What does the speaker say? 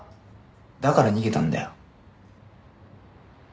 だから逃げたんだよ。